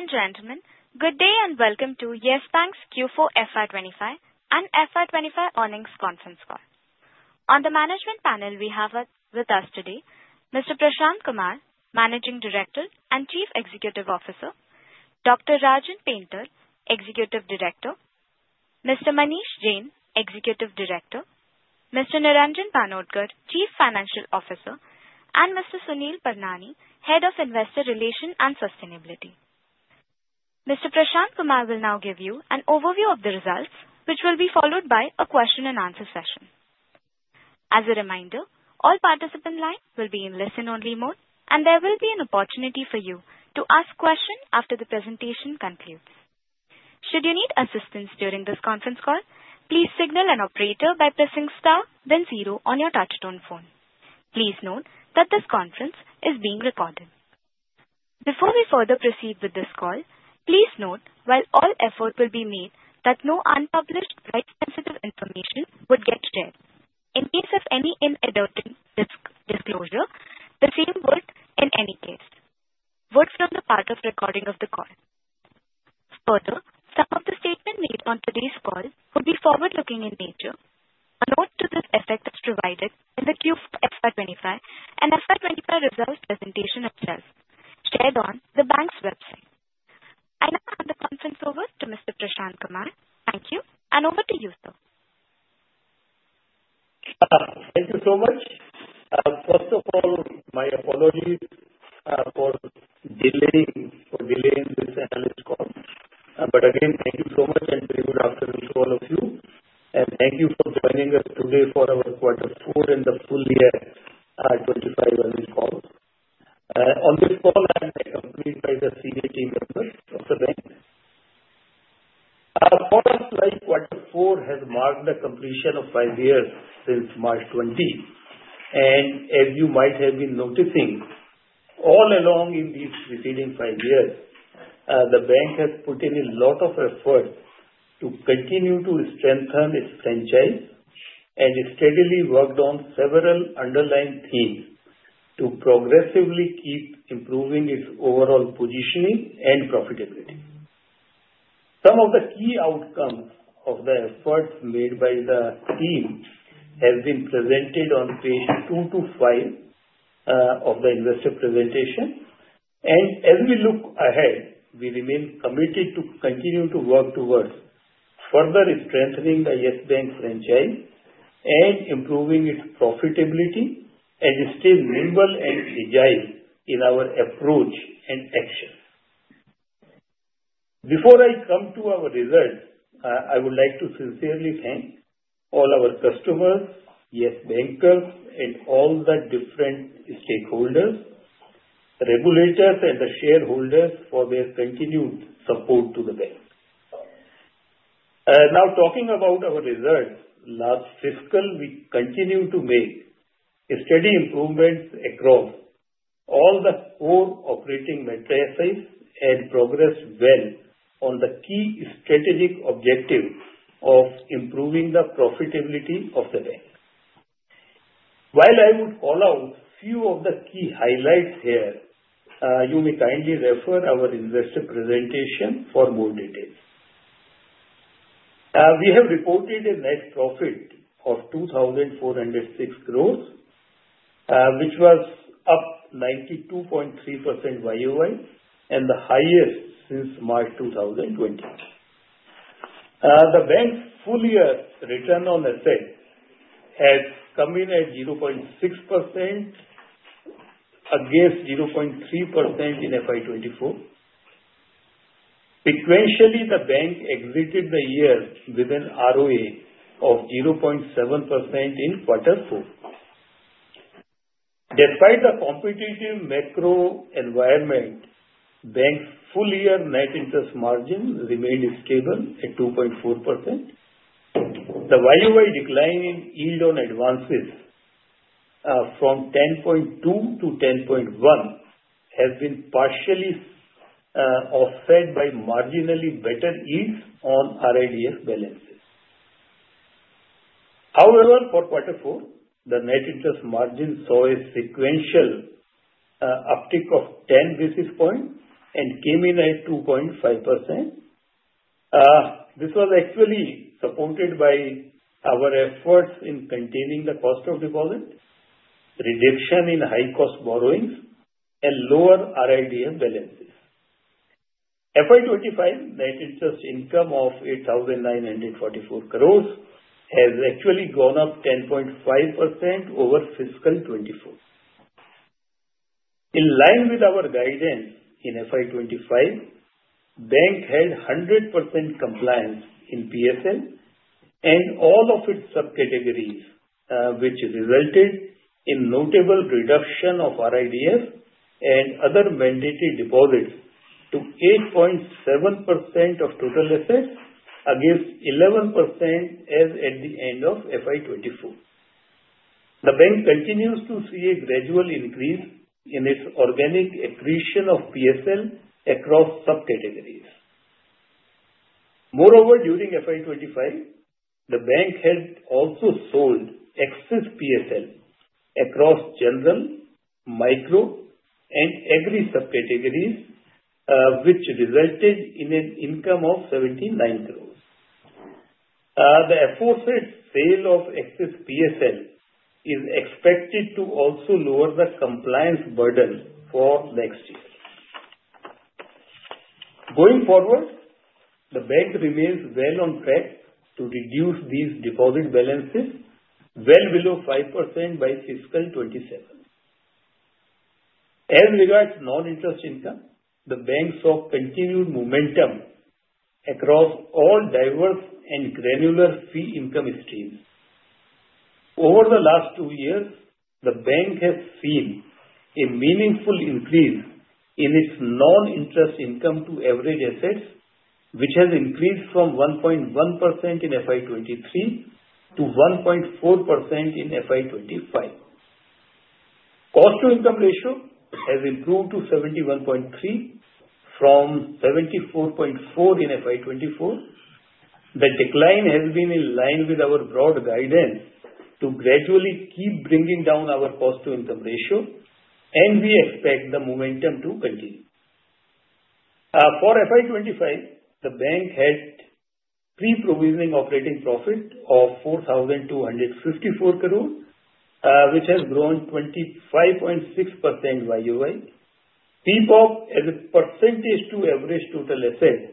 Ladies and gentlemen, good day and welcome to Yes Bank's Q4 FY 2025 and FY 2025 Earnings Conference Call. On the management panel, we have with us today Mr. Prashant Kumar, Managing Director and Chief Executive Officer, Dr. Rajan Pental, Executive Director, Mr. Manish Jain, Executive Director, Mr. Niranjan Banodkar, Chief Financial Officer, and Mr. Sunil Parnami, Head of Investor Relations and Sustainability. Mr. Prashant Kumar will now give you an overview of the results, which will be followed by a question-and-answer session. As a reminder, all participants' lines will be in listen-only mode, and there will be an opportunity for you to ask questions after the presentation concludes. Should you need assistance during this conference call, please signal an operator by pressing star then zero on your touch-tone phone. Please note that this conference is being recorded. Before we further proceed with this call, please note while all effort will be made that no unpublished price-sensitive information would get shared. In case of any inadvertent disclosure, the same would in any case be off the record as part of the recording of the call. Further, some of the statements made on today's call will be forward-looking in nature. A note to this effect is provided in the Q4 FY 2025 and FY 2025 results presentation itself, shared on the bank's website. I now hand the conference over to Mr. Prashant Kumar. Thank you, and over to you, sir. Thank you so much. First of all, my apologies for delaying this call. But again, thank you so much and very good afternoon to all of you. And thank you for joining us today for our Q4 in the full year 2025 earnings call. On this call, I'm accompanied by the senior team members of the bank. For us, Q4 has marked the completion of five years since March 2020. And as you might have been noticing, all along in these preceding five years, the bank has put in a lot of effort to continue to strengthen its franchise and steadily worked on several underlying themes to progressively keep improving its overall positioning and profitability. Some of the key outcomes of the efforts made by the team have been presented on page two to five of the investor presentation. And as we look ahead, we remain committed to continue to work towards further strengthening the Yes Bank franchise and improving its profitability and stay nimble and agile in our approach and action. Before I come to our results, I would like to sincerely thank all our customers, Yes Bankers, and all the different stakeholders, regulators, and the shareholders for their continued support to the bank. Now, talking about our results, last fiscal, we continued to make steady improvements across all the four operating metrics and progressed well on the key strategic objective of improving the profitability of the bank. While I would call out a few of the key highlights here, you may kindly refer to our investor presentation for more details. We have reported a net profit of 2,406 crores, which was up 92.3% year-over-year and the highest since March 2020. The bank's full year return on assets has come in at 0.6% against 0.3% in FY 2024. Sequentially, the bank exited the year with an ROA of 0.7% in Q4. Despite the competitive macro environment, the bank's full year net interest margin remained stable at 2.4%. The year-over-year decline in yield on advances from 10.2% to 10.1% has been partially offset by marginally better yields on RIDF balances. However, for Q4, the net interest margin saw a sequential uptick of 10 basis points and came in at 2.5%. This was actually supported by our efforts in containing the cost of deposit, reduction in high-cost borrowings, and lower RIDF balances. FY 2025 net interest income of 8,944 crores has actually gone up 10.5% over fiscal 2024. In line with our guidance in FY 2025, the bank held 100% compliance in PSL and all of its subcategories, which resulted in a notable reduction of RIDF and other mandatory deposits to 8.7% of total assets against 11% as at the end of FY 2024. The bank continues to see a gradual increase in its organic accretion of PSL across subcategories. Moreover, during FY 2025, the bank had also sold excess PSL across general, micro, and agri subcategories, which resulted in an income of 79 crores. The efforts at sale of excess PSL are expected to also lower the compliance burden for next year. Going forward, the bank remains well on track to reduce these deposit balances well below 5% by fiscal 2027. As regards non-interest income, the bank saw continued momentum across all diverse and granular fee income streams. Over the last two years, the bank has seen a meaningful increase in its non-interest income to average assets, which has increased from 1.1% in FY 2023 to 1.4% in FY 2025. The Cost-to-Income Ratio has improved to 71.3% from 74.4% in FY 2024. The decline has been in line with our broad guidance to gradually keep bringing down our Cost-to-Income Ratio, and we expect the momentum to continue. For FY 2025, the bank had Pre-Provisioning Operating Profit of 4,254 crores, which has grown 25.6% year-over-year. PPOP, as a percentage to average total assets,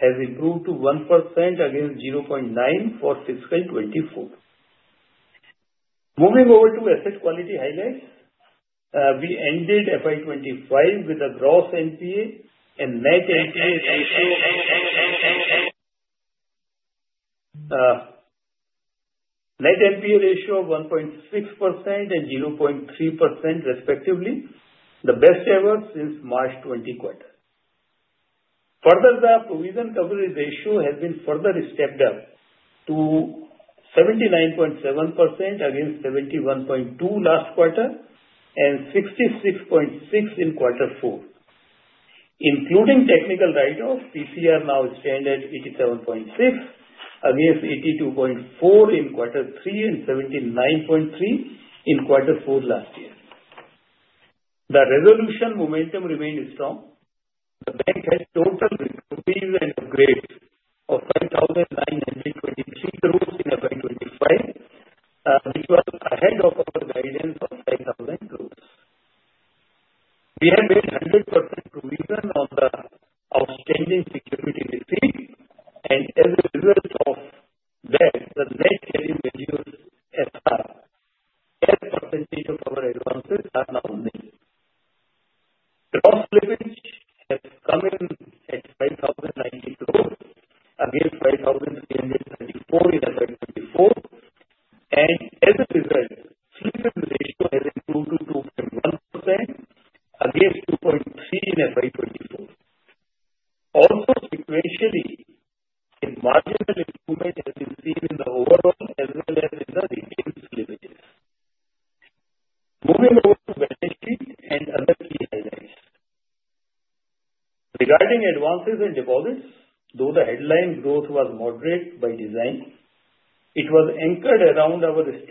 has improved to 1% against 0.9% for fiscal 2024. Moving over to asset quality highlights, we ended FY 2025 with a Gross NPA and Net NPA ratio of 1.6% and 0.3%, respectively, the best ever since March 2020 quarter. Further, the Provision Coverage Ratio has been further stepped up to 79.7% against 71.2% last quarter and 66.6% in Q4. Including technical write-off, PCR now stands at 87.6% against 82.4% in Q3 and 79.3% in Q4 last year. The resolution momentum remained strong. The bank had total reprovision and upgrade of 5,923 crores in FY 2025, which was ahead of our guidance of 5,000 crores. We have made 100% provision on the outstanding security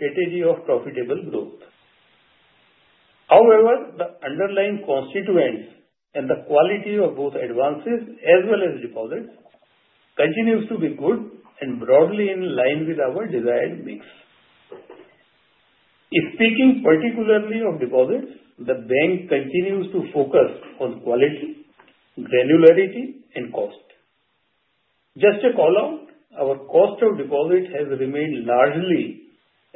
receipt, and as a result of that, the net carry value as percentage of our advances is now nil. Gross slippage has come in at INR 5,090 crores against INR 5,334 crores in FY 2024. And as a result, slippage ratio has improved to 2.1% against 2.3% in FY 2024. Also, sequentially, a marginal improvement has been seen in the overall as well as in the retail slippages. Moving over to balance sheet and other key highlights. Regarding advances and deposits, though the headline growth was moderate by design, it was anchored around our strategy of profitable growth. However, the underlying constituents and the quality of both advances as well as deposits continue to be good and broadly in line with our desired mix. Speaking particularly of deposits, the bank continues to focus on quality, granularity, and cost. Just to call out, our cost of deposit has remained largely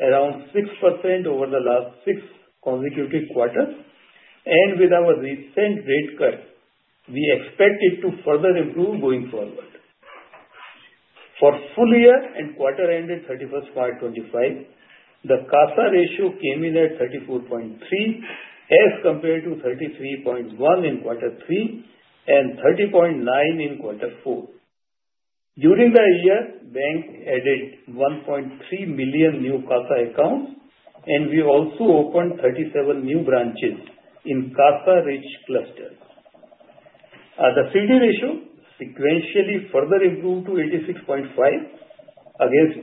around 6% over the last six consecutive quarters. With our recent rate cut, we expect it to further improve going forward. For full year and quarter-ended 31st FY 2025, the CASA ratio came in at 34.3% as compared to 33.1% in Q3 and 30.9% in Q4. During the year, the bank added 1.3 million new CASA accounts, and we also opened 37 new branches in CASA-rich clusters. The CD ratio sequentially further improved to 86.5% against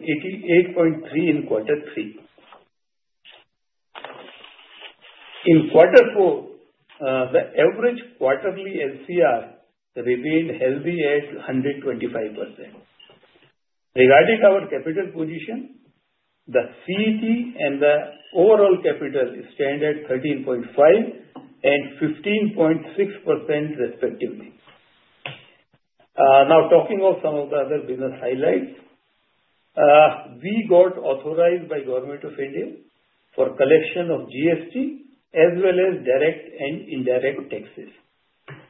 88.3% in Q3. In Q4, the average quarterly LCR remained healthy at 125%. Regarding our capital position, the CET1 and the overall capital stand at 13.5% and 15.6%, respectively. Now, talking of some of the other business highlights, we got authorized by the Government of India for the collection of GST as well as direct and indirect taxes.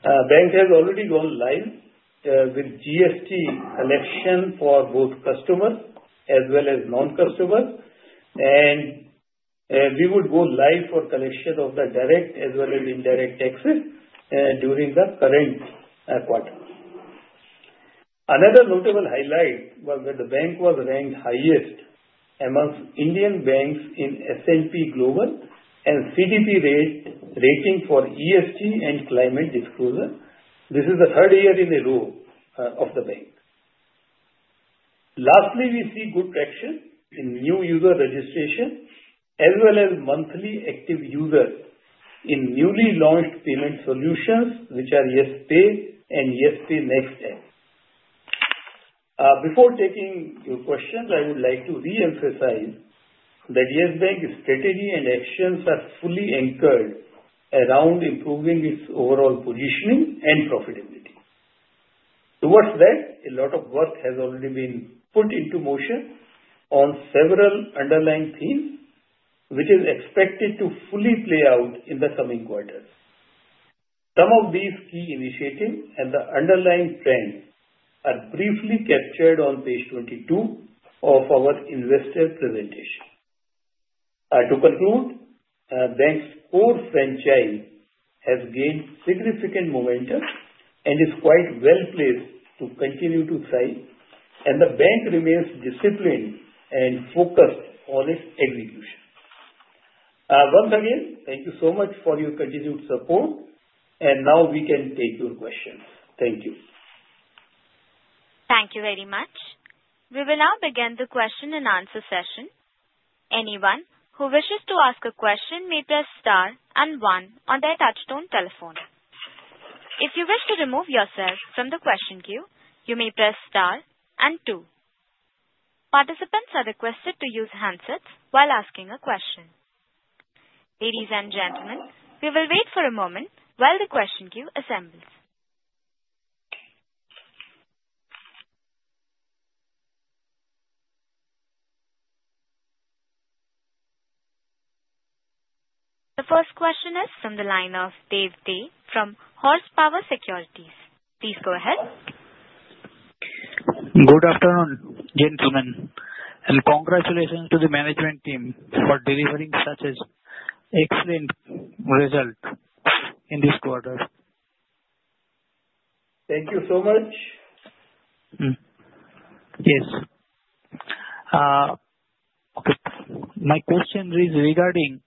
The bank has already gone live with GST collection for both customers as well as non-customers. And we would go live for the collection of the direct as well as indirect taxes during the current quarter. Another notable highlight was that the bank was ranked highest amongst Indian banks in S&P Global and CDP rating for ESG and climate disclosure. This is the third year in a row of the bank. Lastly, we see good traction in new user registration as well as monthly active users in newly launched payment solutions, which are Yes Pay and Yes Pay Next. Before taking your questions, I would like to re-emphasize that Yes Bank's strategy and actions are fully anchored around improving its overall positioning and profitability. Towards that, a lot of work has already been put into motion on several underlying themes, which are expected to fully play out in the coming quarters. Some of these key initiatives and the underlying trends are briefly captured on page 22 of our investor presentation. To conclude, the bank's core franchise has gained significant momentum and is quite well placed to continue to thrive. And the bank remains disciplined and focused on its execution. Once again, thank you so much for your continued support. And now we can take your questions. Thank you. Thank you very much. We will now begin the question and answer session. Anyone who wishes to ask a question may press star and one on their touch-tone telephone. If you wish to remove yourself from the question queue, you may press star and two. Participants are requested to use handsets while asking a question. Ladies and gentlemen, we will wait for a moment while the question queue assembles. The first question is from the line of Dev Dey from HorsePower Securities. Please go ahead. Good afternoon, gentlemen, and congratulations to the management team for delivering such an excellent result in this quarter. Thank you so much. Yes. Okay. My question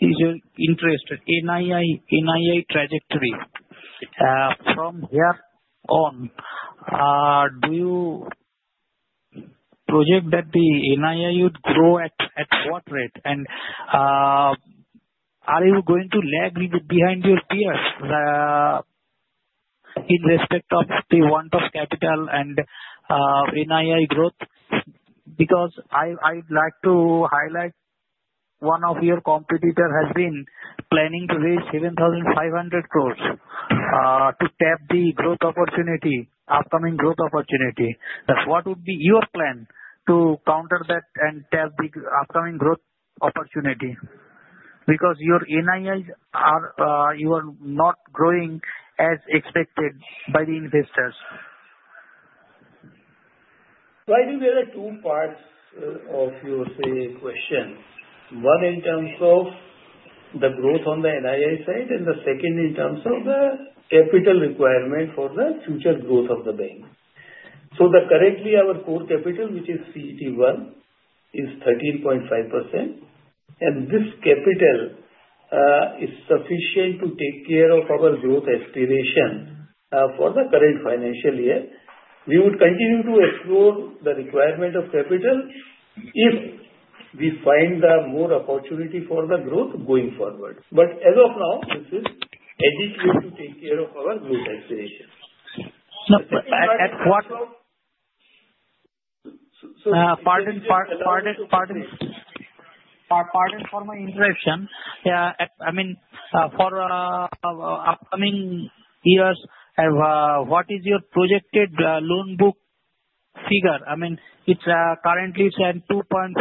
is regarding your interest in NII trajectory. From here on, do you project that the NII would grow at what rate? And are you going to lag behind your peers in respect of the want of capital and NII growth? Because I'd like to highlight one of your competitors has been planning to raise 7,500 crores to tap the growth opportunity, upcoming growth opportunity. What would be your plan to counter that and tap the upcoming growth opportunity? Because your NIIs are not growing as expected by the investors. Well, I think there are two parts of your question. One in terms of the growth on the NII side and the second in terms of the capital requirement for the future growth of the bank. Currently, our core capital, which is CET1, is 13.5%. This capital is sufficient to take care of our growth aspiration for the current financial year. We would continue to explore the requirement of capital if we find more opportunity for the growth going forward. But as of now, this is adequate to take care of our growth aspiration. Pardon for my interruption. I mean, for upcoming years, what is your projected loan book figure? I mean, it currently is at 2.46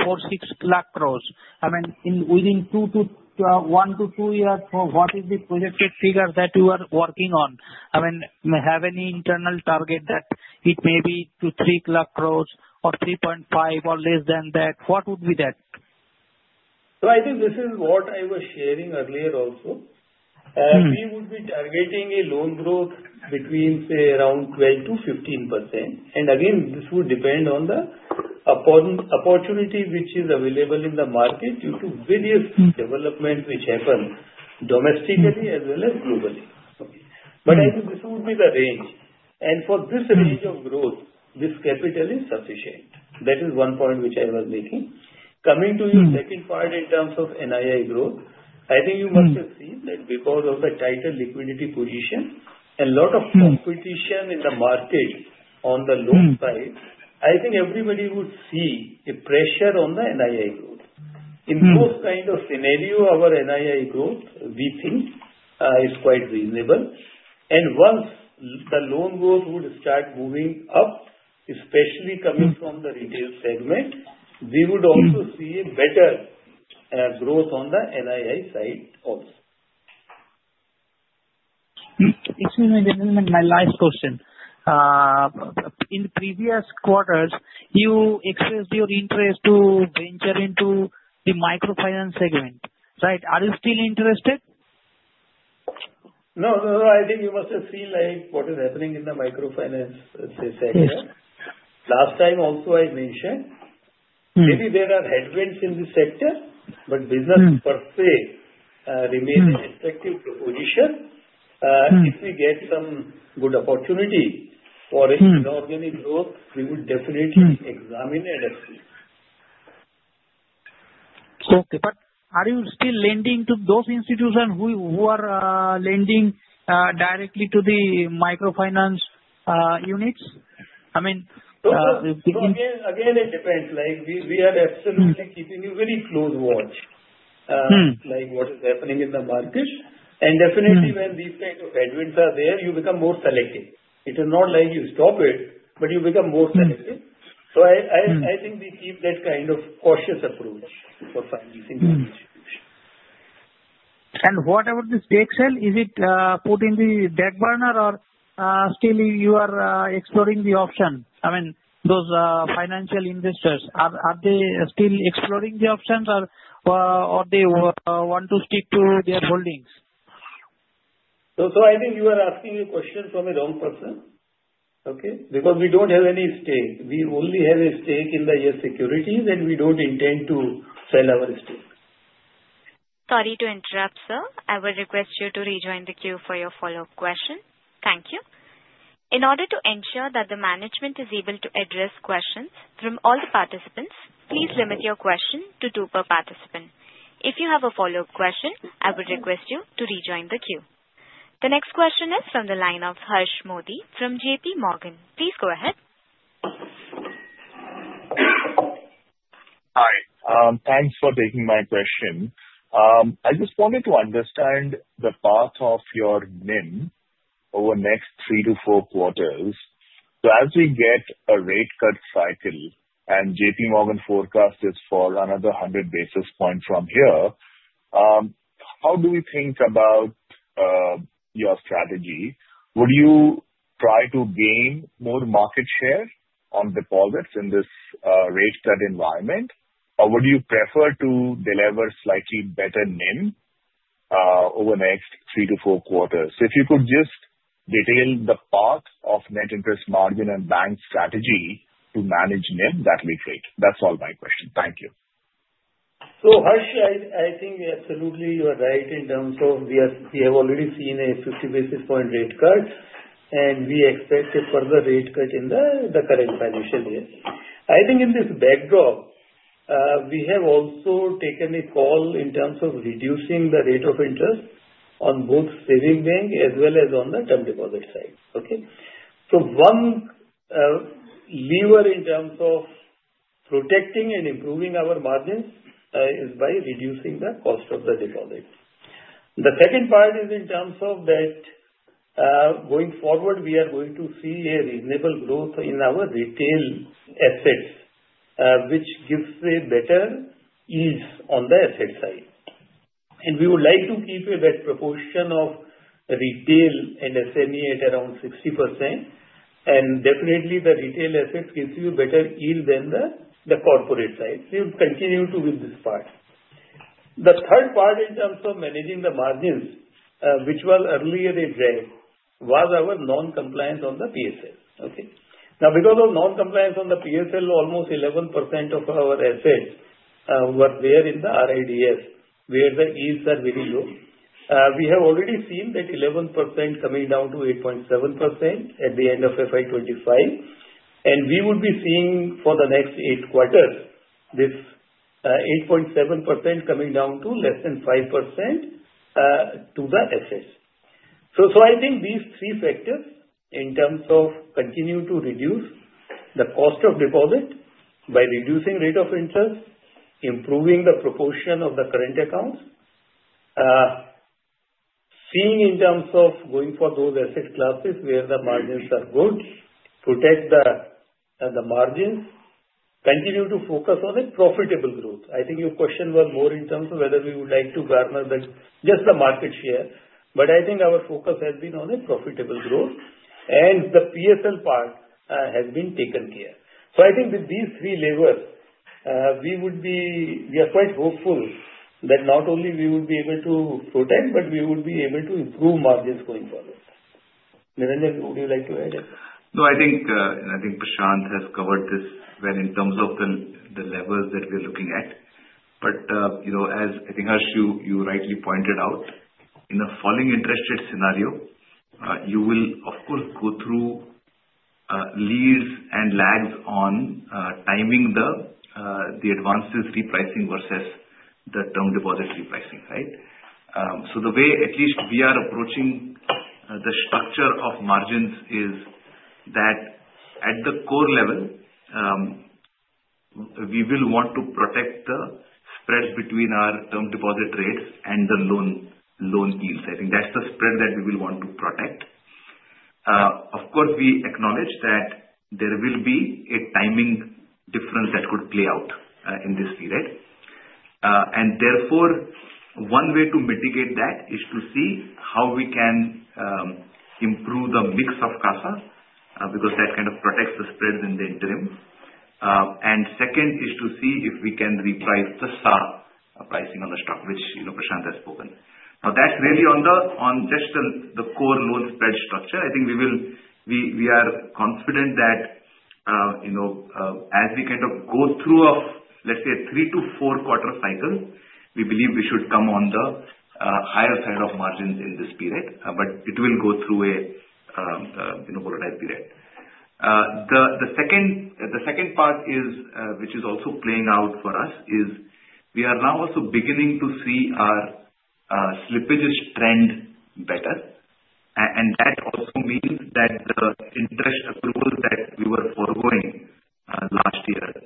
lakh crores. I mean, within one to two years, what is the projected figure that you are working on? I mean, have any internal target that it may be two to three lakh crores or 3.5 or less than that? What would be that? So I think this is what I was sharing earlier also. We would be targeting a loan growth between, say, around 12% to 15%. And again, this would depend on the opportunity which is available in the market due to various developments which happen domestically as well as globally. But I think this would be the range. And for this range of growth, this capital is sufficient. That is one point which I was making. Coming to your second part in terms of NII growth, I think you must have seen that because of the tighter liquidity position and a lot of competition in the market on the loan side, I think everybody would see a pressure on the NII growth. In both kinds of scenarios, our NII growth, we think, is quite reasonable, and once the loan growth would start moving up, especially coming from the retail segment, we would also see a better growth on the NII side also Excuse me, gentlemen, my last question. In previous quarters, you expressed your interest to venture into the microfinance segment. Right? Are you still interested? No, no, no. I think you must have seen what is happening in the microfinance sector. Last time also, I mentioned, maybe there are headwinds in the sector, but business per se remains in an attractive position. If we get some good opportunity for inorganic growth, we would definitely examine it. Okay. But are you still lending to those institutions who are lending directly to the microfinance units? I mean. Again, it depends. We are absolutely keeping a very close watch on what is happening in the market. And definitely, when these kinds of headwinds are there, you become more selective. It is not like you stop it, but you become more selective. So I think we keep that kind of cautious approach for financing institutions. And what about the stake sale? Is it put in the back burner or still you are exploring the option? I mean, those financial investors, are they still exploring the options or they want to stick to their holdings? So I think you are asking a question from a wrong person, okay? Because we don't have any stake. We only have a stake in the Yes Securities, and we don't intend to sell our stake. Sorry to interrupt, sir. I would request you to rejoin the queue for your follow-up question. Thank you. In order to ensure that the management is able to address questions from all the participants, please limit your question to two per participant. If you have a follow-up question, I would request you to rejoin the queue. The next question is from the line of Harsh Modi from JPMorgan. Please go ahead. Hi. Thanks for taking my question. I just wanted to understand the path of your NIM over the next three to four quarters. So as we get a rate cut cycle and JPMorgan forecasts for another 100 basis points from here, how do we think about your strategy? Would you try to gain more market share on deposits in this rate cut environment, or would you prefer to deliver slightly better NIM over the next three to four quarters? If you could just detail the path of net interest margin and bank strategy to manage NIM, that would be great. That's all my question. Thank you. So Harsh, I think absolutely you are right in terms of we have already seen a 50 basis point rate cut, and we expect a further rate cut in the current financial year. I think in this backdrop, we have also taken a call in terms of reducing the rate of interest on both savings bank as well as on the term deposit side. Okay? So one lever in terms of protecting and improving our margins is by reducing the cost of the deposit. The second part is in terms of that going forward, we are going to see a reasonable growth in our retail assets, which gives a better ease on the asset side, and we would like to keep a better proportion of retail and SME at around 60%, and definitely, the retail assets give you a better ease than the corporate side. We will continue to with this part. The third part in terms of managing the margins, which was earlier a drag, was our non-compliance on the PSL. Okay? Now, because of non-compliance on the PSL, almost 11% of our assets were there in the RIDF, where the ease is very low. We have already seen that 11% coming down to 8.7% at the end of FY 2025, and we would be seeing for the next eight quarters this 8.7% coming down to less than 5% to the assets. So, I think these three factors in terms of continuing to reduce the cost of deposit by reducing rate of interest, improving the proportion of the current accounts, seeing in terms of going for those asset classes where the margins are good, protect the margins, continue to focus on a profitable growth. I think your question was more in terms of whether we would like to garner just the market share. But I think our focus has been on a profitable growth. And the PSL part has been taken care. So I think with these three levers, we are quite hopeful that not only we would be able to protect, but we would be able to improve margins going forward. Niranjan, would you like to add anything? No, I think Prashant has covered this well in terms of the levers that we are looking at. But as I think Harsh, you rightly pointed out, in a falling interest rate scenario, you will, of course, go through leads and lags on timing the advances repricing versus the term deposit repricing, right? So the way at least we are approaching the structure of margins is that at the core level, we will want to protect the spreads between our term deposit rates and the loan yields. I think that's the spread that we will want to protect. Of course, we acknowledge that there will be a timing difference that could play out in this period. And therefore, one way to mitigate that is to see how we can improve the mix of CASA because that kind of protects the spreads in the interim. And second is to see if we can reprice the SA pricing on the stock, which Prashant has spoken. Now, that's really on just the core loan spread structure. I think we are confident that as we kind of go through, let's say, a three-to-four quarter cycle, we believe we should come on the higher side of margins in this period, but it will go through a volatile period. The second part, which is also playing out for us, is we are now also beginning to see our slippage trend better, and that also means that the interest approvals that we were foregoing last year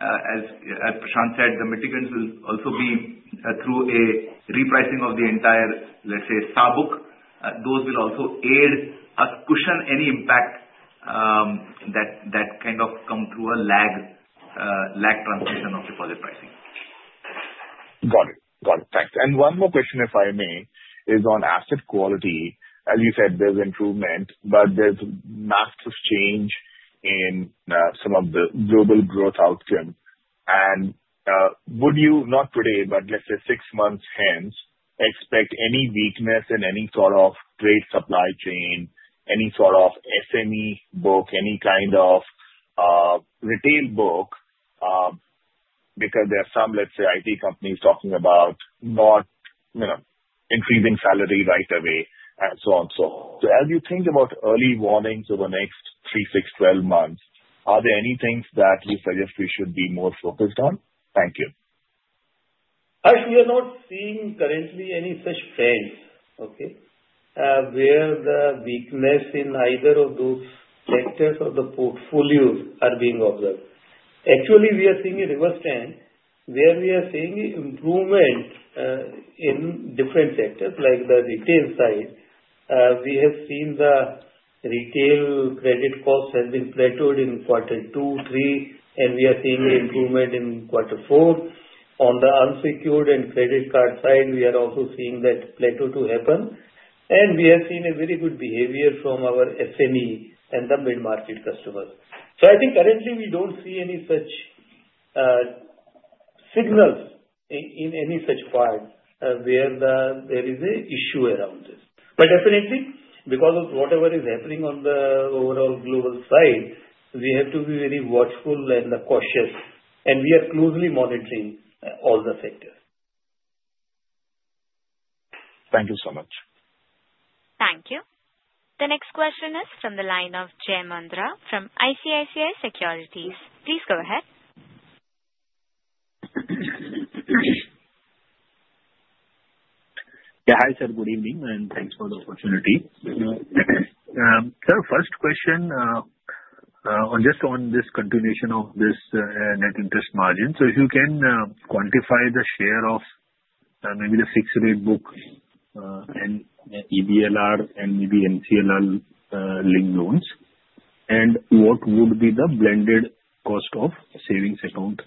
as Prashant said, the mitigants will also be through a repricing of the entire, let's say, SA book. Those will also aid us to cushion any impact that kind of come through a lag transmission of deposit pricing. Got it. Got it. Thanks. And one more question, if I may, is on asset quality. As you said, there's improvement, but there's massive change in some of the global growth outcome. And would you, not today, but let's say six months hence, expect any weakness in any sort of trade supply chain, any sort of SME book, any kind of retail book? Because there are some, let's say, IT companies talking about not increasing salary right away and so on and so forth. So as you think about early warnings over the next three, six, 12 months, are there any things that you suggest we should be more focused on? Thank you. We are not seeing currently any such trends, okay, where the weakness in either of those sectors or the portfolios are being observed. Actually, we are seeing a reverse trend where we are seeing improvement in different sectors like the retail side. We have seen the retail credit costs have been plateaued in Q2, three, and we are seeing improvement in Q4. On the unsecured and credit card side, we are also seeing that plateau to happen. And we have seen a very good behavior from our SME and the mid-market customers. So I think currently we don't see any such signals in any such part where there is an issue around this. But definitely, because of whatever is happening on the overall global side, we have to be very watchful and cautious. And we are closely monitoring all the sectors. Thank you so much. Thank you. The next question is from the line of Jai Mundra from ICICI Securities. Please go ahead. Yeah. Hi, sir. Good evening, and thanks for the opportunity. Sir, first question just on this continuation of this net interest margin. So if you can quantify the share of maybe the fixed rate book and EBLR and maybe MCLR linked loans, and what would be the blended cost of savings account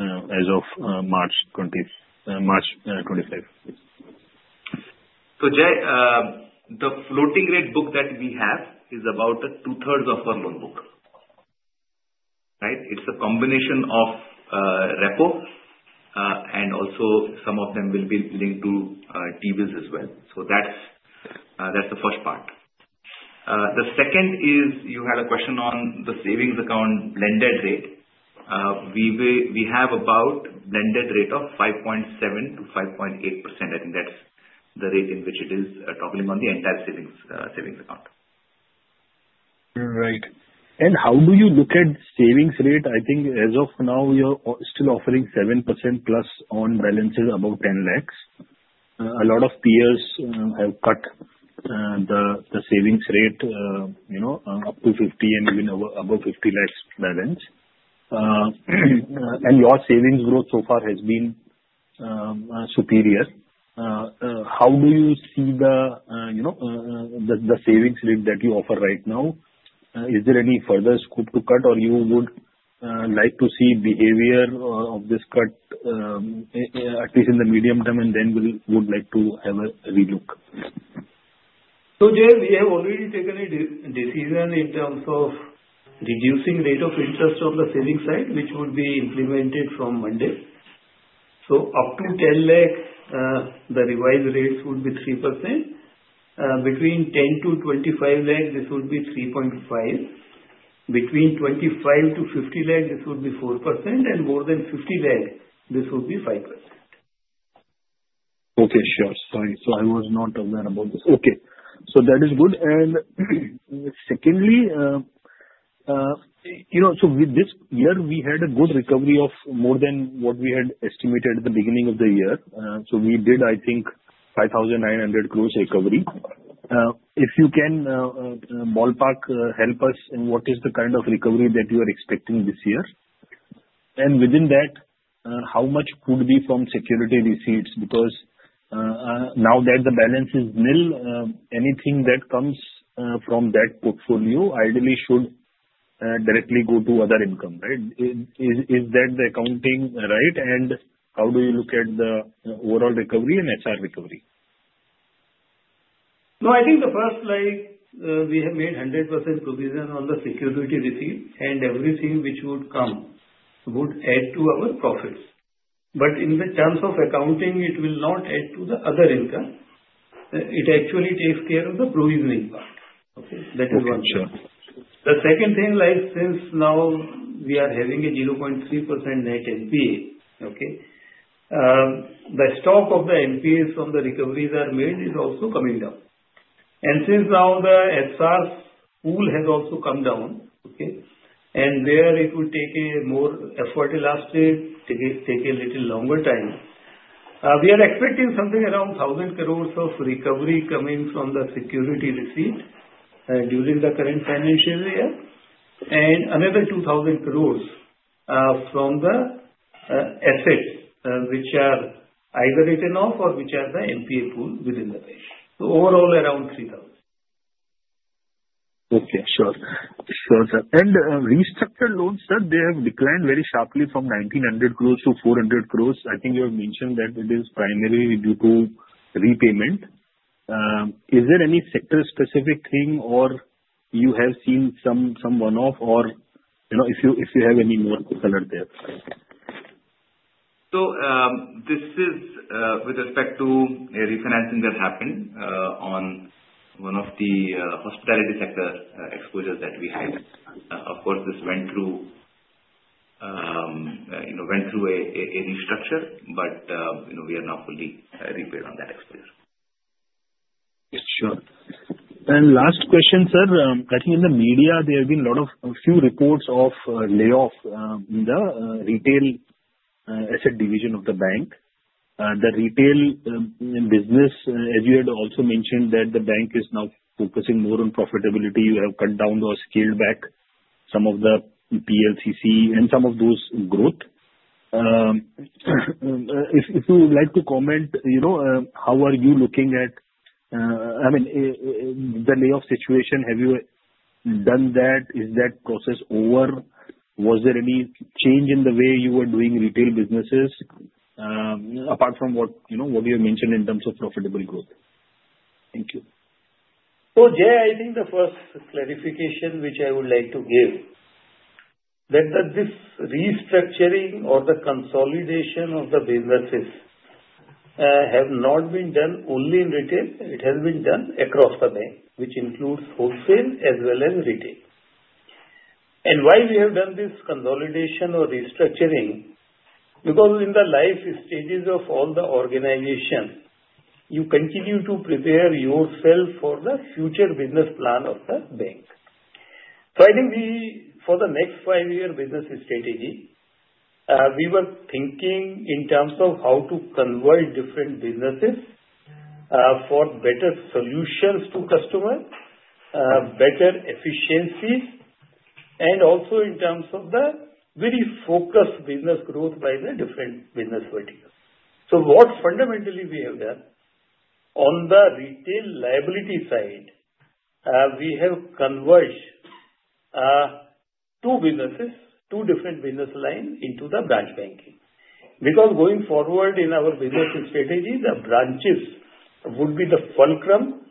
as of March 2025? So Jai, the floating rate book that we have is about two-thirds of our loan book, right? It's a combination of repo and also some of them will be linked to T-Bills as well. So that's the first part. The second is you had a question on the savings account blended rate. We have about a blended rate of 5.7% to 5.8%. I think that's the rate in which it is toggling on the entire savings account. Right. And how do you look at savings rate? I think as of now, we are still offering 7% plus on balances above 10 lakhs. A lot of peers have cut the savings rate up to 50 and even above 50 lakhs balance. And your savings growth so far has been superior. How do you see the savings rate that you offer right now? Is there any further scope to cut, or you would like to see behavior of this cut at least in the medium term, and then would like to have a relook? Jai, we have already taken a decision in terms of reducing rate of interest on the savings side, which would be implemented from Monday. Up to 10 lakhs, the revised rates would be 3%. Between 10 to 25 lakhs, this would be 3.5%. Between 25 to 50 lakhs, this would be 4%. And more than 50 lakhs, this would be 5%. Okay. Sure. Sorry. I was not aware about this. Okay. That is good. And secondly, with this year, we had a good recovery of more than what we had estimated at the beginning of the year. We did, I think, 5,900 crores recovery. If you can ballpark, help us in what is the kind of recovery that you are expecting this year. And within that, how much could be from security receipts? Because now that the balance is nil, anything that comes from that portfolio ideally should directly go to other income, right? Is that the accounting right? And how do you look at the overall recovery and HR recovery? No, I think the first leg, we have made 100% provision on the security receipts, and everything which would come would add to our profits. But in the terms of accounting, it will not add to the other income. It actually takes care of the provisioning part. Okay? That is one thing. The second thing, since now we are having a 0.3% net NPA, okay, the stock of the NPAs from the recoveries are made is also coming down. Since now the SA pool has also come down, okay, and where it will take a more effort last year, take a little longer time, we are expecting something around 1,000 crores of recovery coming from the security receipt during the current financial year, and another 2,000 crores from the assets which are either written off or which are the NPA pool within the bank. Overall, around 3,000 crores. Okay. Sure. Sure. Restructured loans, sir, they have declined very sharply from 1,900 crores to 400 crores. I think you have mentioned that it is primarily due to repayment. Is there any sector-specific thing, or you have seen some one-off, or if you have any more to color there? This is with respect to a refinancing that happened on one of the hospitality sector exposures that we had. Of course, this went through a restructure, but we are now fully repaired on that exposure. Sure. And last question, sir. I think in the media, there have been a few reports of layoff in the retail asset division of the bank. The retail business, as you had also mentioned, that the bank is now focusing more on profitability. You have cut down or scaled back some of the PLCC and some of those growth. If you would like to comment, how are you looking at, I mean, the layoff situation? Have you done that? Is that process over? Was there any change in the way you were doing retail businesses apart from what you mentioned in terms of profitable growth? Thank you. Jai, I think the first clarification which I would like to give is that this restructuring or the consolidation of the businesses has not been done only in retail. It has been done across the bank, which includes wholesale as well as retail. And why we have done this consolidation or restructuring? Because in the life stages of all the organization, you continue to prepare yourself for the future business plan of the bank. So I think for the next five-year business strategy, we were thinking in terms of how to convert different businesses for better solutions to customers, better efficiencies, and also in terms of the very focused business growth by the different business verticals. So what fundamentally we have done on the retail liability side, we have converged two businesses, two different business lines into the Branch Banking. Because going forward in our business strategy, the branches would be the fulcrum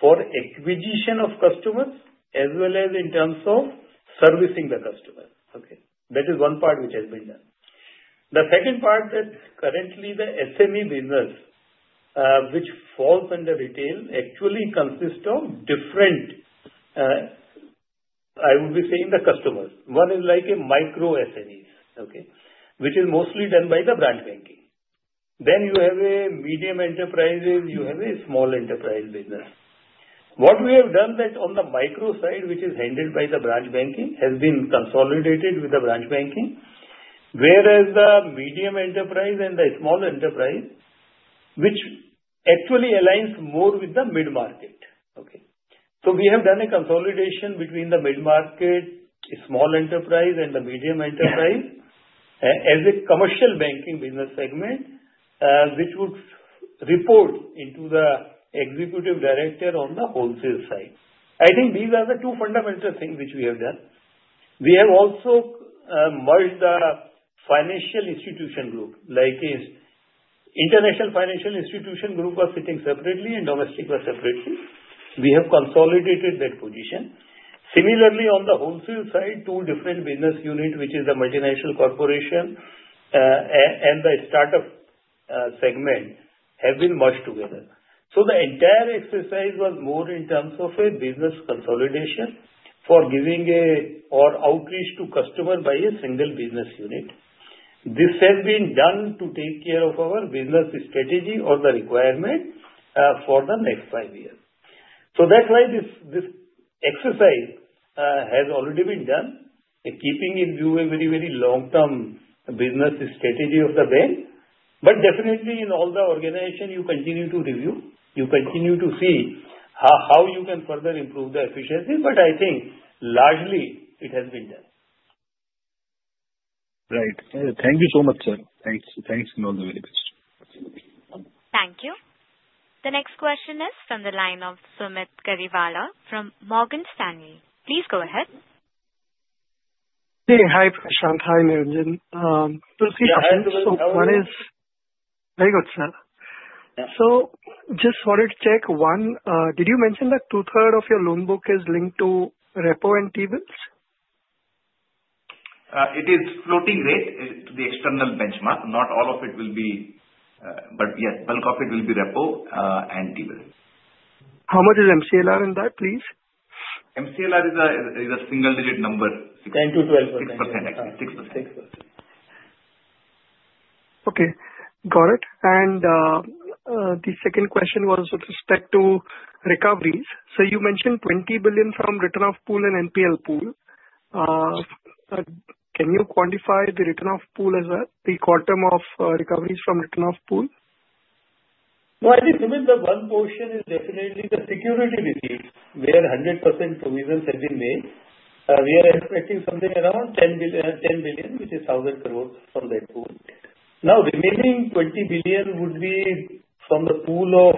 for acquisition of customers as well as in terms of servicing the customers. Okay? That is one part which has been done. The second part that currently the SME business, which falls under retail, actually consists of different, I would be saying, the customers. One is like a micro SMEs, okay, which is mostly done by the Branch Banking. Then you have a medium enterprise, you have a small enterprise business. What we have done that on the micro side, which is handled by the Branch Banking, has been consolidated with the Branch Banking, whereas the medium enterprise and the small enterprise, which actually aligns more with the mid-market. Okay? So we have done a consolidation between the mid-market, small enterprise, and the medium enterprise as a Commercial Banking business segment, which would report into the executive director on the wholesale side. I think these are the two fundamental things which we have done. We have also merged the Financial Institution Group, like an International Financial Institution Group was sitting separately and domestic was separately. We have consolidated that position. Similarly, on the wholesale side, two different business units, which is the Multinational Corporations and the startup segment, have been merged together. So the entire exercise was more in terms of a business consolidation for giving an outreach to customer by a single business unit. This has been done to take care of our business strategy or the requirement for the next five years. So that's why this exercise has already been done, keeping in view a very, very long-term business strategy of the bank. But definitely, in all the organization, you continue to review. You continue to see how you can further improve the efficiencies. But I think largely it has been done. Right. Thank you so much, sir. Thanks. Thanks in all the very best. Thank you. The next question is from the line of Sumeet Kariwala from Morgan Stanley. Please go ahead. Hey. Hi, Prashant. Hi, Niranjan. Prashant, so what is very good, sir. So just wanted to check one. Did you mention that two-thirds of your loan book is linked to repo and TBILs? It is floating rate to the external benchmark. Not all of it will be, but yes, bulk of it will be repo and TBIL. How much is MCLR in that, please? MCLR is a single-digit number. 10%-12%. 6%, actually. 6%. 6%. Okay. Got it. And the second question was with respect to recoveries. So you mentioned 20 billion from return of pool and NPL pool. Can you quantify the return of pool as well, the quantum of recoveries from return of pool? Well, I think with the one portion is definitely the security receipts where 100% provisions have been made. We are expecting something around 10 billion, which is 1,000 crores from that pool. Now, remaining 20 billion would be from the pool of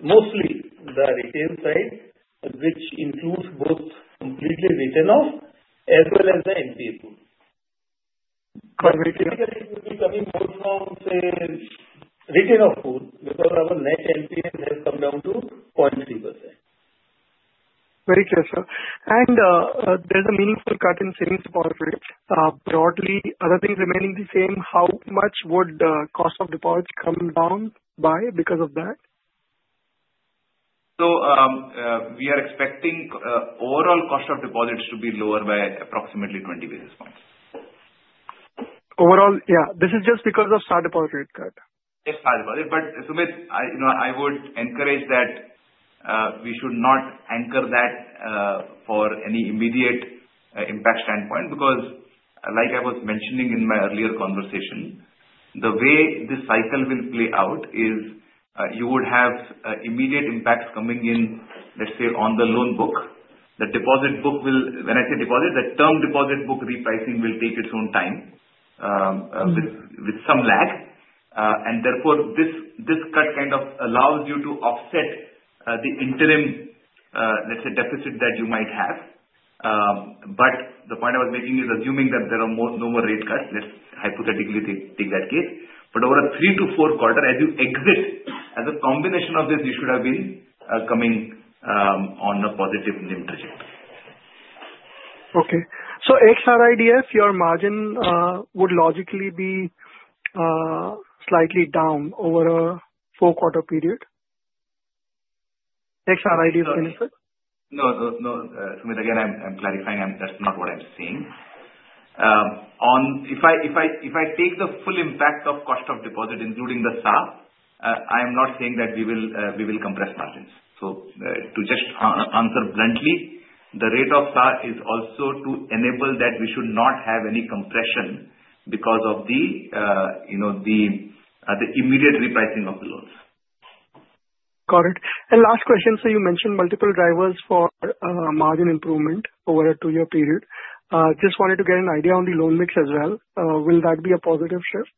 mostly the retail side, which includes both completely written off as well as the NPA pool. But retail would be coming more from, say, written off pool because our net NPAs have come down to 0.3%. Very clear, sir. And there's a meaningful cut in savings deposit rate. Broadly, other things remaining the same, how much would the cost of deposits come down by because of that? So we are expecting overall cost of deposits to be lower by approximately 20 basis points. Overall, yeah. This is just because of savings deposit rate cut. Just savings deposit. But Sumeet, I would encourage that we should not anchor that for any immediate impact standpoint because, like I was mentioning in my earlier conversation, the way this cycle will play out is you would have immediate impacts coming in, let's say, on the loan book. The deposit book will, when I say deposit, the term deposit book repricing will take its own time with some lag. And therefore, this cut kind of allows you to offset the interim, let's say, deficit that you might have. But the point I was making is assuming that there are no more rate cuts. Let's hypothetically take that case, but over a three- to four-quarter, as you exit, as a combination of this, you should have been coming on a positive NIM trajectory. Okay. So excess RIDF, your margin would logically be slightly down over a four-quarter period. Excess RIDF benefit? No, no, no. Sumeet, again, I'm clarifying. That's not what I'm seeing. If I take the full impact of cost of deposit, including the SA rate, I am not saying that we will compress margins. So to just answer bluntly, the rate of SA rate is also to enable that we should not have any compression because of the immediate repricing of the loans. Got it, and last question. So you mentioned multiple drivers for margin improvement over a two-year period. Just wanted to get an idea on the loan mix as well. Will that be a positive shift?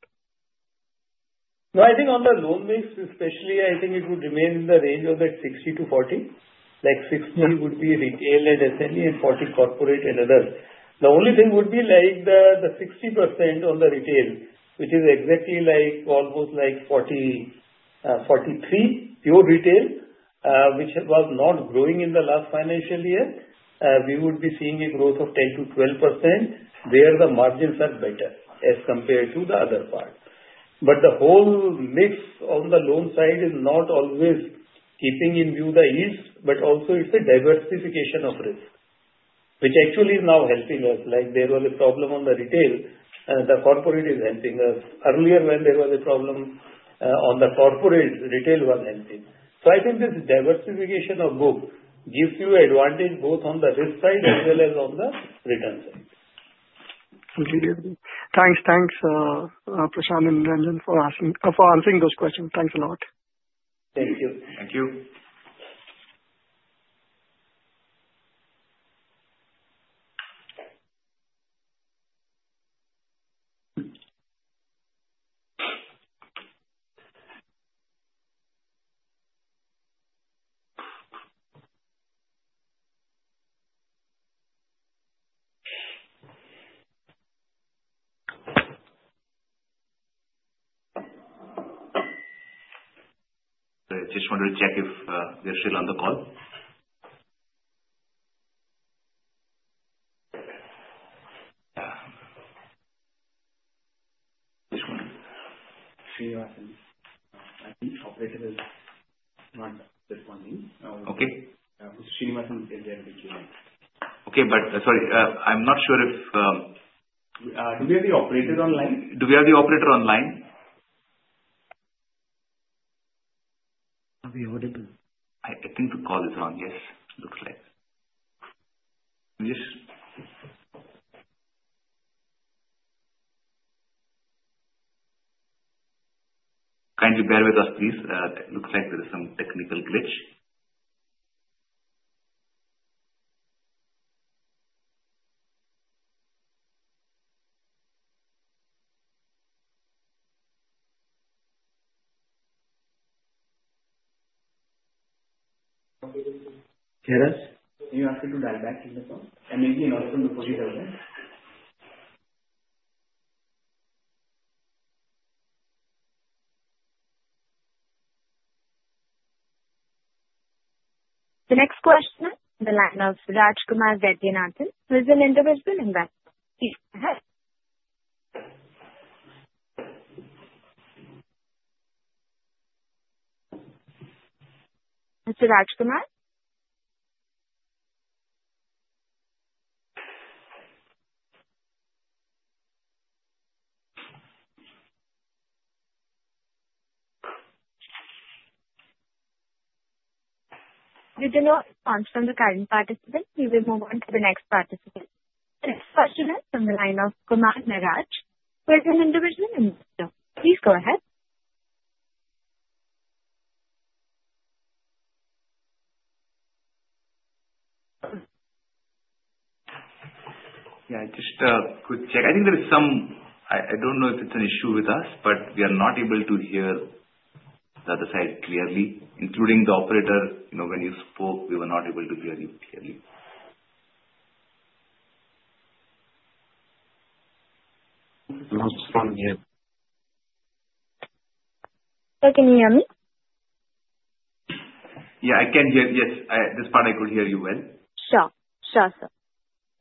No, I think on the loan mix, especially, I think it would remain in the range of that 60% to 40%. Like 60% would be retail and SME and 40% corporate and others. The only thing would be like the 60% on the retail, which is exactly like almost like 43% pure retail, which was not growing in the last financial year. We would be seeing a growth of 10% to 12% where the margins are better as compared to the other part. But the whole mix on the loan side is not always keeping in view the yields, but also it's a diversification of risk, which actually is now helping us. Like there was a problem on the retail, the corporate is helping us. Earlier, when there was a problem on the corporate, retail was helping. So I think this diversification of book gives you advantage both on the risk side as well as on the return side. Thanks. Thanks, Prashant and Niranjan, for answering those questions. Thanks a lot. Thank you. Thank you. The next question is in the line of Rajkumar Vaidyanathan, who is an Individual Investor. Mr. Rajkumar? We do not want from the current participant. We will move on to the next participant. The next question is from the line of Kumar Niraj, who is an individual investor. Please go ahead. Yeah, just a quick check. I think there is some, I don't know if it's an issue with us, but we are not able to hear the other side clearly, including the operator. When you spoke, we were not able to hear you clearly. So can you hear me? Yeah, I can hear you. Yes. This part, I could hear you well. Sure. Sure, sir.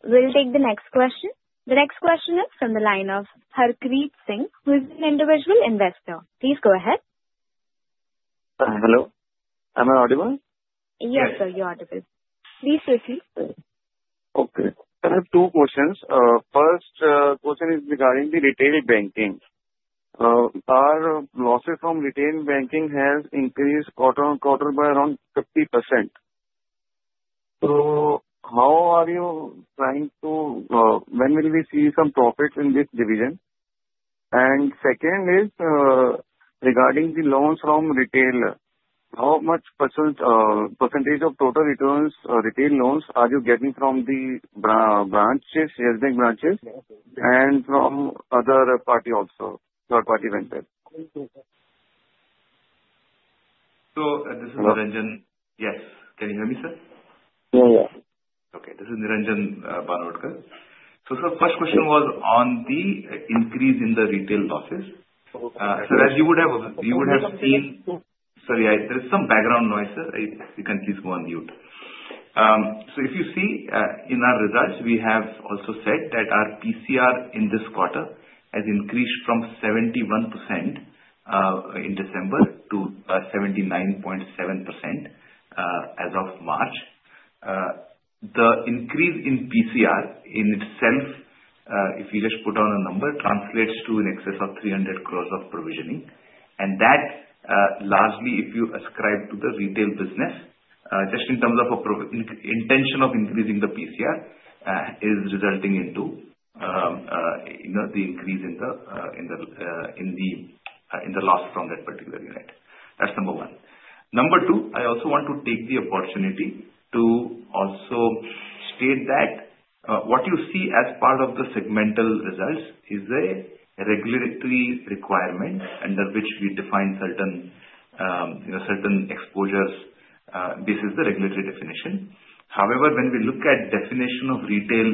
We'll take the next question. The next question is from the line of Harkeerat Singh, who is an Individual Investor. Please go ahead. Hello? Am I audible? Yes, sir, you're audible. Please proceed. Okay. I have two questions. First question is regarding the retail banking. Our losses from retail banking have increased quarter on quarter by around 50%. So how are you trying to, when will we see some profits in this division? And second is regarding the loans from retail, how much percentage of total retail loans are you getting from the branches, Yes Bank branches, and from other parties also, third-party vendors? So this is Niranjan. Yes. Can you hear me, sir? Yeah, yeah. Okay. This is Niranjan Banodkar. So sir, first question was on the increase in the retail losses. So as you would have seen, sorry, there is some background noise. You can please go on mute. So if you see in our results, we have also said that our PCR in this quarter has increased from 71% in December to 79.7% as of March. The increase in PCR in itself, if you just put down a number, translates to an excess of 300 crores of provisioning. And that largely, if you ascribe to the retail business, just in terms of intention of increasing the PCR, is resulting in the increase in the loss from that particular unit. That's number one. Number two, I also want to take the opportunity to also state that what you see as part of the segmental results is a regulatory requirement under which we define certain exposures. This is the regulatory definition. However, when we look at the definition of retail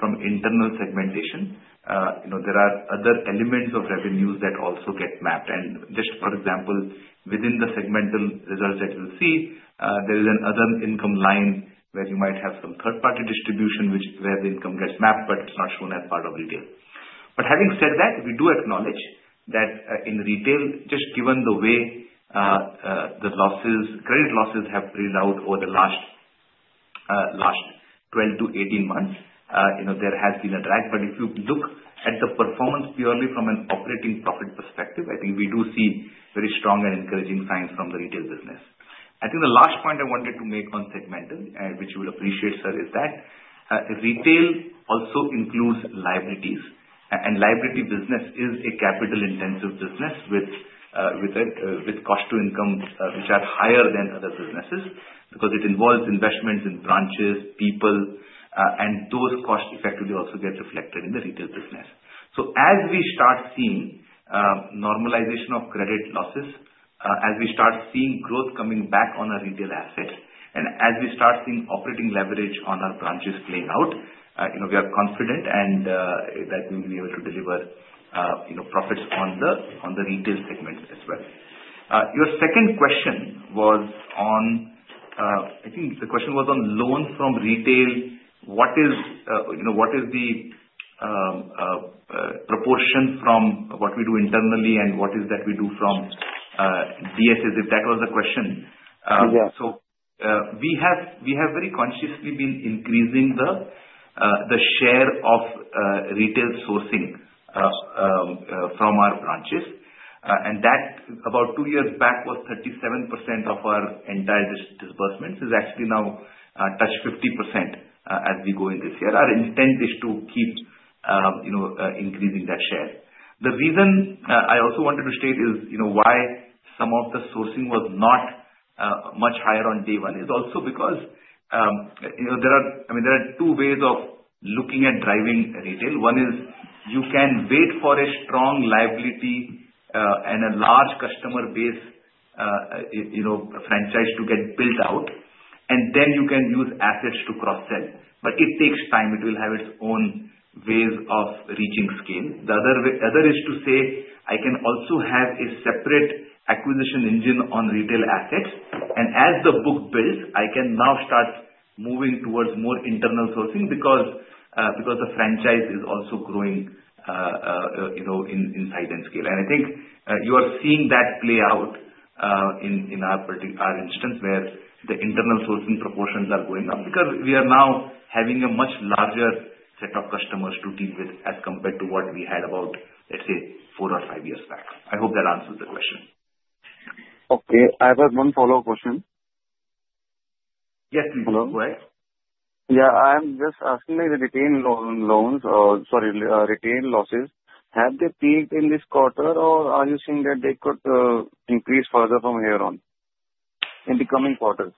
from internal segmentation, there are other elements of revenues that also get mapped. Just for example, within the segmental results that you'll see, there is an other income line where you might have some third-party distribution where the income gets mapped, but it's not shown as part of retail. Having said that, we do acknowledge that in retail, just given the way the credit losses have played out over the last 12-18 months, there has been a drag. If you look at the performance purely from an operating profit perspective, I think we do see very strong and encouraging signs from the retail business. I think the last point I wanted to make on segmental, which you will appreciate, sir, is that retail also includes liabilities. Liability business is a capital-intensive business with cost to income which are higher than other businesses because it involves investments in branches, people, and those costs effectively also get reflected in the retail business. As we start seeing normalization of credit losses, as we start seeing growth coming back on our retail assets, and as we start seeing operating leverage on our branches playing out, we are confident that we will be able to deliver profits on the retail segment as well. Your second question was on, I think the question was on loans from retail. What is the proportion from what we do internally, and what is that we do from DSAs? If that was the question. We have very consciously been increasing the share of retail sourcing from our branches. That, about two years back, was 37% of our entire disbursements. It is actually now touched 50% as we go in this year. Our intent is to keep increasing that share. The reason I also wanted to state is why some of the sourcing was not much higher on day one. It is also because there are, I mean, there are two ways of looking at driving retail. One is you can wait for a strong liability and a large customer base franchise to get built out, and then you can use assets to cross-sell. But it takes time. It will have its own ways of reaching scale. The other is to say, I can also have a separate acquisition engine on retail assets. And as the book builds, I can now start moving towards more internal sourcing because the franchise is also growing in size and scale. And I think you are seeing that play out in our instance where the internal sourcing proportions are going up because we are now having a much larger set of customers to deal with as compared to what we had about, let's say, four or five years back. I hope that answers the question. Okay. I have one follow-up question. Yes, please. Go ahead. Yeah. I'm just asking the retail loans, sorry, retail losses. Have they peaked in this quarter, or are you seeing that they could increase further from here on in the coming quarters?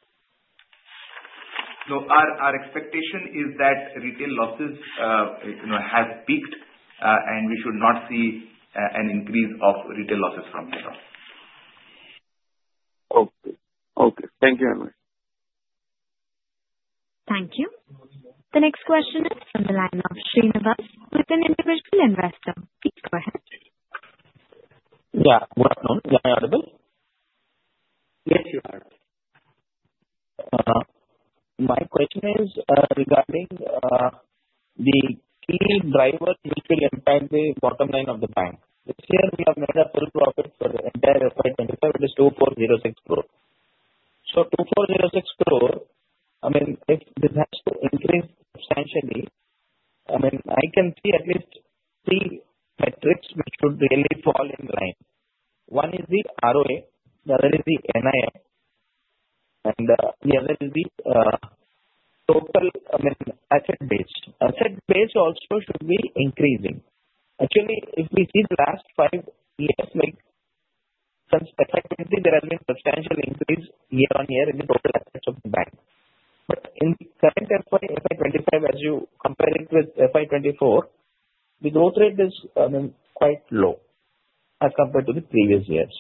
So our expectation is that retail losses have peaked, and we should not see an increase of retail losses from here on. Okay. Okay. Thank you very much. Thank you. The next question is from the line of Srinivas, who is an Individual Investor. Please go ahead. Yeah. I'm audible? Yes, you are. My question is regarding the key driver which will impact the bottom line of the bank. This year, we have made a full profit for the entire FY 2025, which is 2,406 crores. So 2,406 crores, I mean, if this has to increase substantially, I mean, I can see at least three metrics which should really fall in line. One is the ROA. The other is the NIM. And the other is the total asset base. Asset base also should be increasing. Actually, if we see the last five years, some specifically, there has been a substantial increase year on year in the total assets of the bank. But in current FY 2025, as you compare it with FY 2024, the growth rate is quite low as compared to the previous years.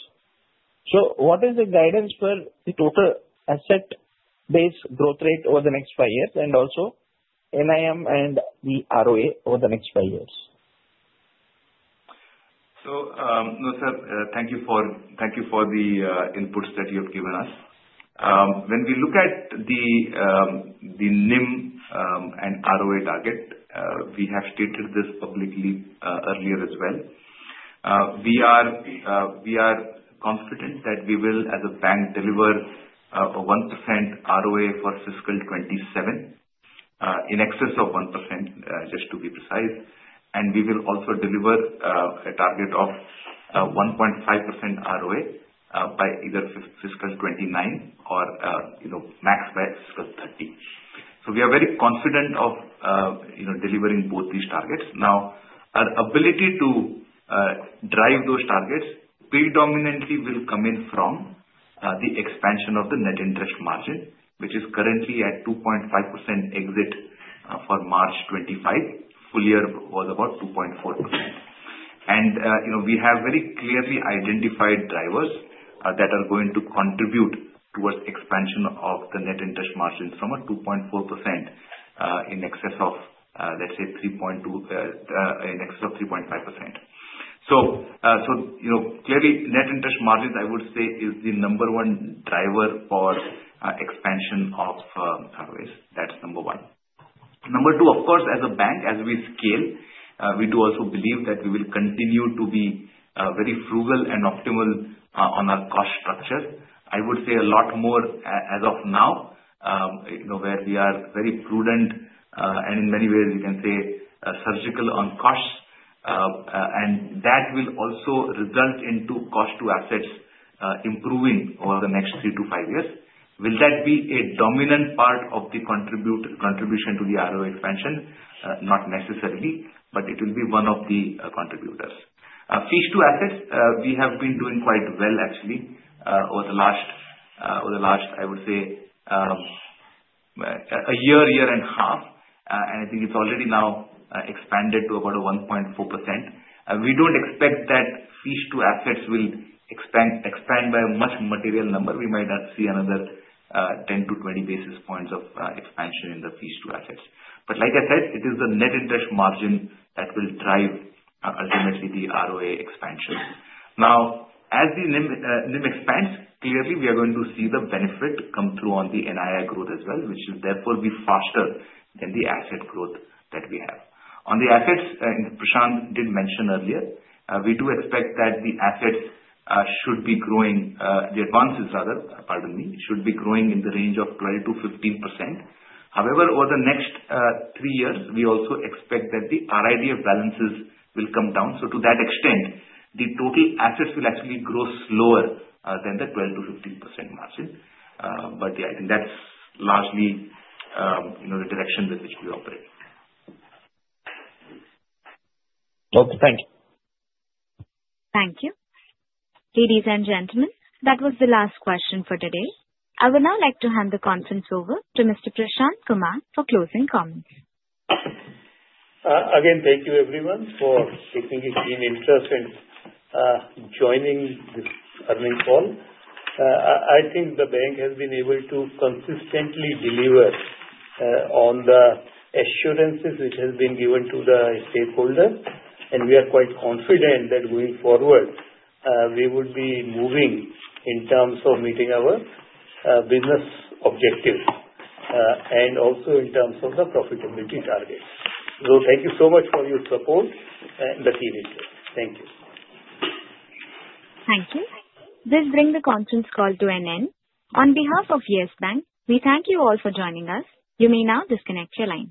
What is the guidance for the total asset base growth rate over the next five years and also NIM and the ROA over the next five years? No, sir, thank you for the inputs that you have given us. When we look at the NIM and ROA target, we have stated this publicly earlier as well. We are confident that we will, as a bank, deliver a 1% ROA for fiscal 2027 in excess of 1%, just to be precise. We will also deliver a target of 1.5% ROA by either fiscal 2029 or max by fiscal 2030. We are very confident of delivering both these targets. Our ability to drive those targets predominantly will come in from the expansion of the net interest margin, which is currently at 2.5% exit for March 2025. Full year was about 2.4%. We have very clearly identified drivers that are going to contribute towards the expansion of the net interest margins from a 2.4% in excess of, let's say, 3.5%. Clearly, net interest margins, I would say, is the number one driver for expansion of ROAs. That's number one. Number two, of course, as a bank, as we scale, we do also believe that we will continue to be very frugal and optimal on our cost structure. I would say a lot more as of now, where we are very prudent and in many ways, you can say, surgical on costs. That will also result in cost to assets improving over the next three to five years. Will that be a dominant part of the contribution to the ROA expansion? Not necessarily, but it will be one of the contributors. Fees to assets, we have been doing quite well, actually, over the last, I would say, a year, year and a half. And I think it's already now expanded to about 1.4%. We don't expect that fees to assets will expand by a much material number. We might not see another 10 to 20 basis points of expansion in the fees to assets. But like I said, it is the net interest margin that will drive ultimately the ROA expansion. Now, as the NIM expands, clearly, we are going to see the benefit come through on the NIM growth as well, which will therefore be faster than the asset growth that we have. On the assets, Prashant did mention earlier, we do expect that the assets should be growing, the advances, rather, pardon me, should be growing in the range of 12% to 15%. However, over the next three years, we also expect that the RIDF balances will come down. So to that extent, the total assets will actually grow slower than the 12% to 15% margin. But yeah, I think that's largely the direction with which we operate. Okay. Thank you. Thank you. Ladies and gentlemen, that was the last question for today. I would now like to hand the conference over to Mr. Prashant Kumar for closing comments. Again, thank you, everyone, for taking the keen interest in joining this earnings call. I think the bank has been able to consistently deliver on the assurances which have been given to the stakeholders and we are quite confident that going forward, we will be moving in terms of meeting our business objectives and also in terms of the profitability targets, so thank you so much for your support and the keen interest. Thank you. Thank you. This brings the conference call to an end. On behalf of Yes Bank, we thank you all for joining us. You may now disconnect your line.